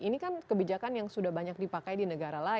ini kan kebijakan yang sudah banyak dipakai di negara lain